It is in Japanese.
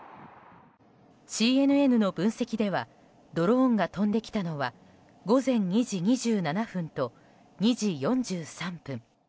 ＣＮＮの分析ではドローンが飛んできたのは午前２時２７分と２時４３分。